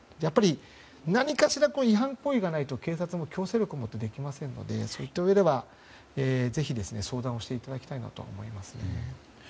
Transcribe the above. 何かしら違反行為がないと警察も強制力を持ってできないのでそういった意味ではぜひ、相談していただきたいと思います。